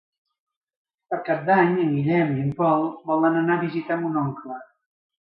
Per Cap d'Any en Guillem i en Pol volen anar a visitar mon oncle.